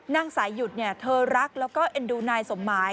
นางสายหยุดเนี่ยเธอรักแล้วก็เอ็นดูนายสมหมาย